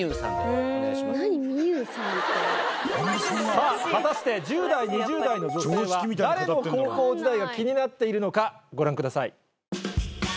さぁ果たして１０代２０代の女性は誰の高校時代が気になっているのかご覧ください。